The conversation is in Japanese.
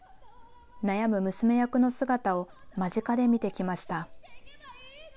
悩む娘役の姿を間近で見てきました。